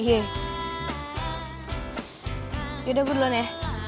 iya yaudah gue duluan ya